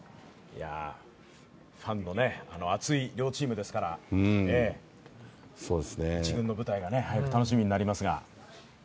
ファンの熱い両チームですから一軍の舞台が楽しみになりますが。